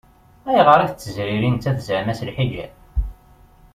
Ayɣer i tettezriri nettat zeɛma s lḥiǧab?